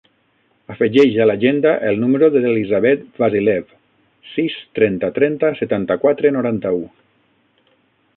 Afegeix a l'agenda el número de l'Elisabeth Vasilev: sis, trenta, trenta, setanta-quatre, noranta-u.